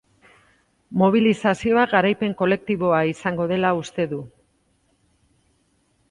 Mobilizazioa garaipen kolektiboa izango dela uste du.